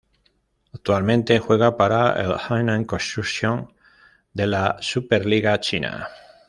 Actualmente juega para el Henan Construction de la Super Liga China.